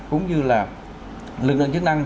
cũng như là lực lượng chức năng